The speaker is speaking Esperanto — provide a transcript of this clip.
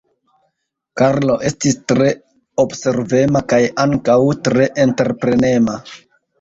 Karlo estis tre observema kaj ankaŭ tre entreprenema.